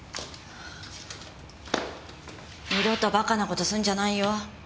二度と馬鹿な事すんじゃないよ。